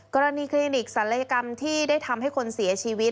คลินิกศัลยกรรมที่ได้ทำให้คนเสียชีวิต